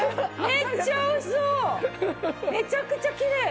めちゃくちゃきれい！